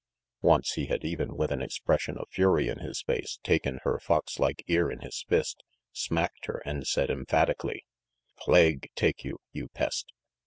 Once he had even, with an expression of fury in his face, taken her fox like ear in his fist, smacked her, and said emphatically: "Pla a ague take you, you pest!"